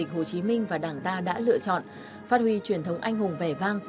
hồ chí minh và đảng ta đã lựa chọn phát huy truyền thống anh hùng vẻ vang